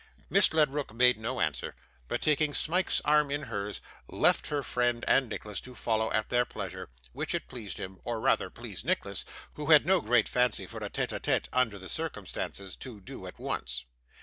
Miss Ledrook made no answer, but taking Smike's arm in hers, left her friend and Nicholas to follow at their pleasure; which it pleased them, or rather pleased Nicholas, who had no great fancy for a TETE A TETE under the circumstances, to do at once.